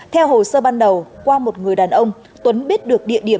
theo hồ sơ ban đầu qua một người đàn ông tuấn biết được địa điểm